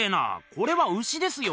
これは牛ですよ。